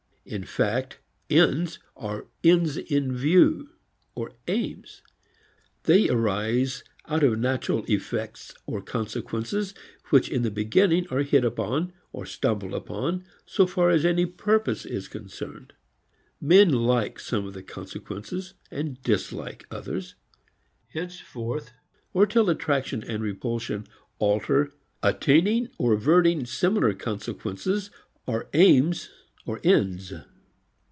In fact, ends are ends in view or aims. They arise out of natural effects or consequences which in the beginning are hit upon, stumbled upon so far as any purpose is concerned. Men like some of the consequences and dislike others. Henceforth (or till attraction and repulsion alter) attaining or averting similar consequences are aims or ends.